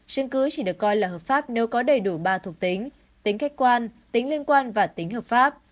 chứng cứ chỉ được coi là hợp pháp nếu có đầy đủ ba thuộc tính tính khách quan tính liên quan và tính hợp pháp